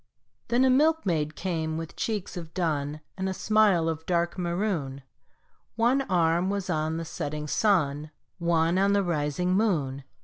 Then a milkmaid came with cheeks of dun And a smile of dark maroon, One arm was on the setting sun, One on the rising moon.